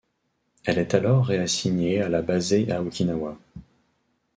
Elle est alors réassignée à la basée à Okinawa.